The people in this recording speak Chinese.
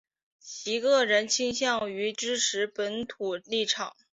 其个人倾向于支持本土立场。